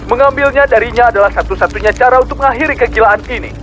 mengambilnya darinya adalah satu satunya cara untuk mengakhiri kegilaan ini